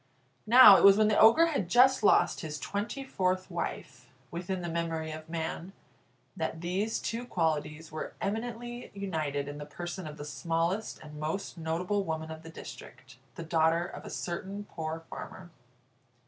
Now it was when the Ogre had just lost his twenty fourth wife (within the memory of man) that these two qualities were eminently united in the person of the smallest and most notable woman of the district, the daughter of a certain poor farmer.